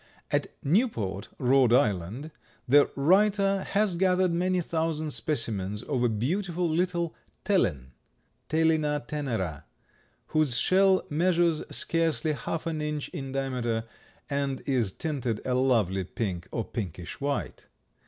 At Newport, Rhode Island, the writer has gathered many thousand specimens of a beautiful little Tellen (Tellina tenera), whose shell measures scarcely half an inch in diameter and is tinted a lovely pink or pinkish white.